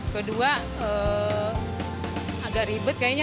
kedua agak ribet kayaknya